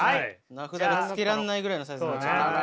名札がつけらんないぐらいのサイズになっちゃった。